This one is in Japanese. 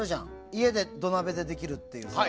家で土鍋でできるっていう。